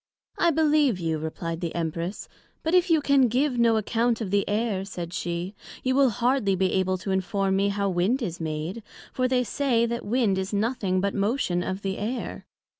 I believe you, replied the Empress; but if you can give no account of the Air, said she, you will hardly be able to inform me how Wind is made; for they say, that Wind is nothing but motion of the Air.